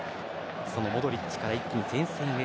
そのモドリッチから一気に前線へ。